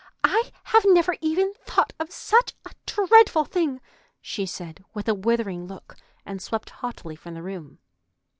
"I have never even thought of such a dreadful thing!" she said, with a withering look, and swept haughtily from the room.